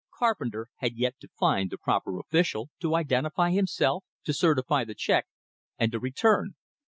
Carpenter had yet to find the proper official, to identify himself, to certify the check, and to return.